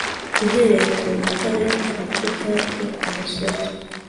Uhereye ku rutare rutukura rwo ku musozi